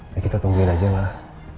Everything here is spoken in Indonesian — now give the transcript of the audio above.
ya kita tungguin aja lah